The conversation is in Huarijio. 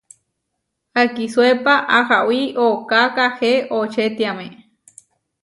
Akisuépa ahawí ooká kahé očetiáme.